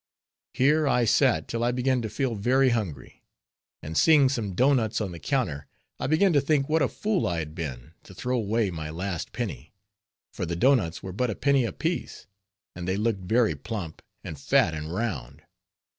Here I sat till I began to feel very hungry; and seeing some doughnuts on the counter, I began to think what a fool I had been, to throw away my last penny; for the doughnuts were but a penny apiece, and they looked very plump, and fat, and round.